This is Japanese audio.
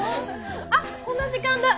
あっこんな時間だ。